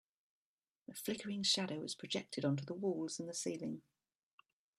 A flickering shadow was projected onto the walls and the ceiling.